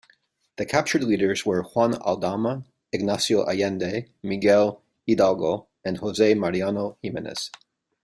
The captured leaders were Juan Aldama, Ignacio Allende, Miguel Hidalgo, and Jose Mariano Jimenez.